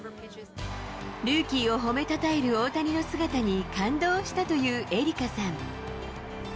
ルーキーを褒めたたえる大谷の姿に感動したというエリカさん。